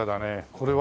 これは？